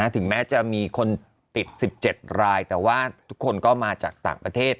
ถึงแม้จะมีคนติด๑๗รายแต่ว่าทุกคนก็มาจากต่างประเทศ